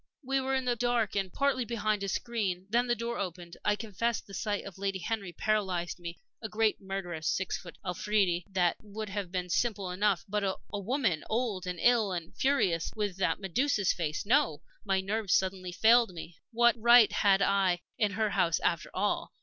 We were in the dark and partly behind a screen. Then the door opened. I confess the sight of Lady Henry paralyzed me. A great, murderous, six foot Afridi that would have been simple enough. But a woman old and ill and furious with that Medusa's face no! My nerves suddenly failed me. What right had I in her house, after all?